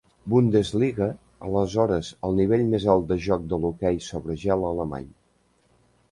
Bundesliga, aleshores el nivell més alt de joc de l'hoquei sobre gel alemany.